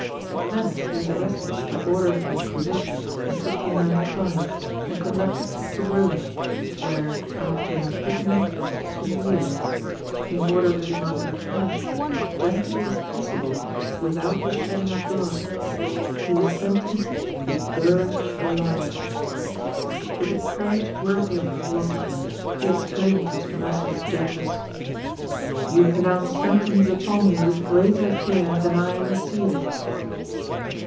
At Venice he was arrested by order of the Inquisition in 1595, and conducted to Rome, where, after an imprisonment of two years, in order that he might be punished as gently as possible without the shedding of blood, he was sentenced to be burned alive. With a courage worthy of a philosopher, he exclaimed to his merciless judges, "You pronounce sentence upon me with greater fear than I receive it."